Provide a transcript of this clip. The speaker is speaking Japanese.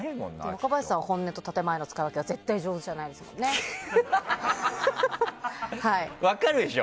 若林さんは本音と建前の使い分けは絶対上手じゃないでしょ。